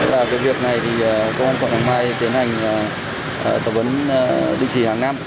và cái việc này thì công an quận hoàng mai tiến hành tập huấn định kỳ hàng năm